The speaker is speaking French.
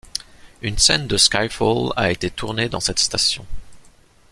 Une scène de Skyfall a été tournée dans cette station.